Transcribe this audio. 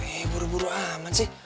eh buru buru amat sih